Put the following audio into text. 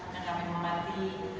yang kami hormati